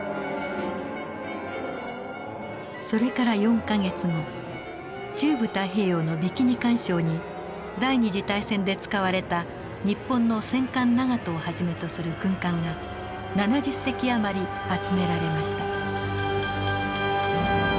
それから４か月後中部太平洋のビキニ環礁に第二次大戦で使われた日本の戦艦長門をはじめとする軍艦が７０隻余り集められました。